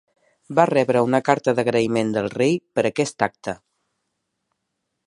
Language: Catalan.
Va rebre una carta d'agraïment del rei per aquest acte.